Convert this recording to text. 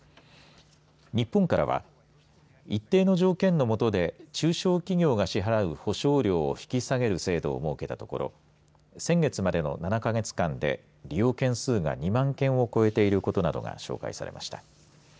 日本からは一定の条件のもとで中小企業が支払う保証料を引き下げる制度を設けたところ先月までの７か月間で利用件数が２万件を超えていることなどが紹介されました。